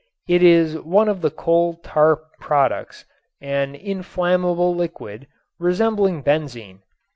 It is one of the coal tar products, an inflammable liquid, resembling benzene.